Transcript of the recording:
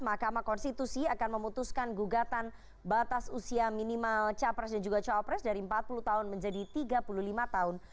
mahkamah konstitusi akan memutuskan gugatan batas usia minimal capres dan juga cawapres dari empat puluh tahun menjadi tiga puluh lima tahun